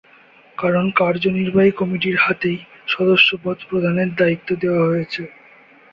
কারণ কার্যনির্বাহী কমিটির হাতেই সদস্যপদ প্রধানের দায়িত্ব দেওয়া হয়েছে।